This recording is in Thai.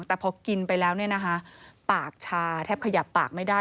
แต่พอกินไปแล้วเนี่ยนะคะปากชาแทบขยับปากไม่ได้